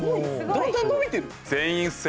だんだん伸びてる。